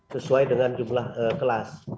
sesuai dengan jumlah kelas